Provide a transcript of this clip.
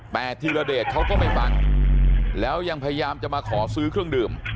แต่ธิรเดชเขาก็ไม่ฟังแล้วยังพยายามจะมาขอซื้อเครื่องดื่ม